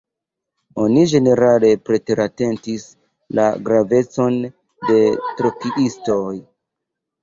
Oni ĝenerale preteratentis la gravecon de trockiistoj.